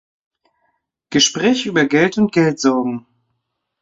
Gespräche über Geld und Geldsorgen.